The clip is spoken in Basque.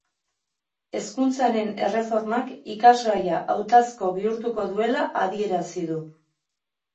Hezkuntzaren erreformak ikasgaia hautazko bihurtuko duela adierazi du.